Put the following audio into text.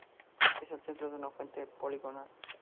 En el centro hay una fuente poligonal.